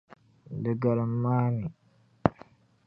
Di galim a mi.